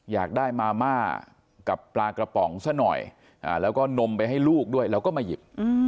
อยากได้มาม่ากับปลากระป๋องซะหน่อยแล้วก็นมไปให้ลูกด้วยแล้วก็มาหยิบ